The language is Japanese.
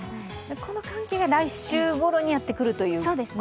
この寒気が来週ごろにやってくるんですね？